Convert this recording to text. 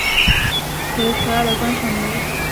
为可爱的观赏鱼。